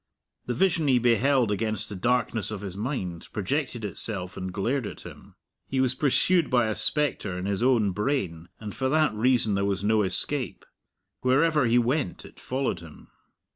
The vision he beheld against the darkness of his mind projected itself and glared at him. He was pursued by a spectre in his own brain, and for that reason there was no escape. Wherever he went it followed him.